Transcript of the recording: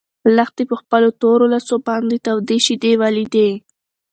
لښتې په خپلو تورو لاسو باندې تودې شيدې ولیدې.